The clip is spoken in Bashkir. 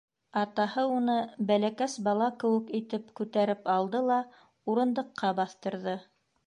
Атаһы уны бәләкәс бала кеүек итеп күтәреп алды ла урындыҡҡа баҫтырҙы.